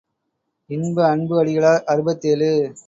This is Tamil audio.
இன்ப அன்பு அடிகளார் அறுபத்தேழு.